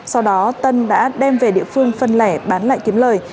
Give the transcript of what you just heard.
sau đó tân đã đem về địa phương phân lẻ bán lại kiếm lời